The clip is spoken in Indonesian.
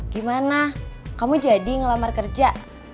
gimana kamu jadi ngelamar kerja